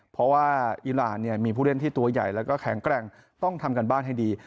เพราะว่าอีรานมีผู้เล่นที่ตัวใหญ่แล้วก็แข็งแกร่งต้องทำการบ้านให้ดี